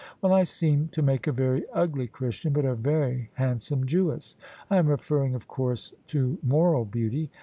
Well, I seem to make a very ugly Christian but a very handsome Jewess : I am referring of course to moral beauty.